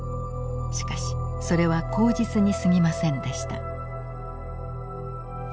しかしそれは口実にすぎませんでした。